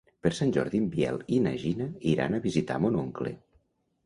Per Sant Jordi en Biel i na Gina iran a visitar mon oncle.